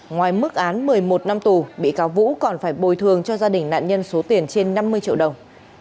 ngoài mức án một mươi một năm tù bị cáo vũ còn phải bồi thường cho gia đình nạn nhân số tiền trên năm mươi triệu đồng